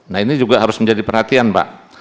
nah ini juga harus menjadi perhatian pak